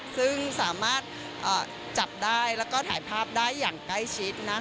ซึ่งสามารถจับได้แล้วก็ถ่ายภาพได้อย่างใกล้ชิด